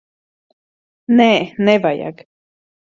Nē, nevajag.